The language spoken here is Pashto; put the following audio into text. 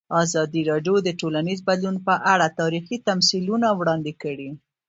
ازادي راډیو د ټولنیز بدلون په اړه تاریخي تمثیلونه وړاندې کړي.